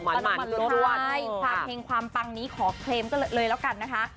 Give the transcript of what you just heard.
ขนมหมันใช่ค่ะเพียงความปังนี้ขอเคลมกันเลยแล้วกันนะคะ